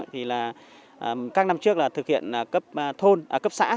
thì là các năm trước là thực hiện cấp thôn cấp xã